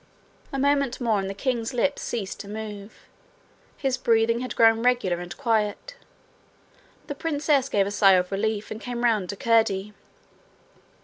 A moment more and the king's lips ceased to move. His breathing had grown regular and quiet. The princess gave a sigh of relief, and came round to Curdie.